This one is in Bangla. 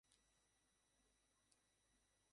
শরৎকালের প্রকৃতি থাকে নির্মল ও স্বচ্ছ।